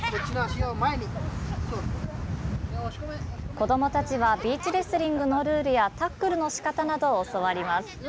子どもたちはビーチレスリングのルールやタックルのしかたなどを教わります。